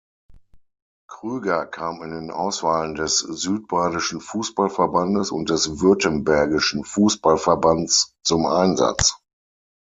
Krüger kam in den Auswahlen des Südbadischen Fußballverbandes und des Württembergischen Fußballverbands zum Einsatz.